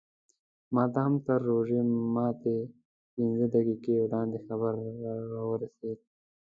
ماته هم تر روژه ماتي پینځه دقیقې وړاندې خبر راورسېد.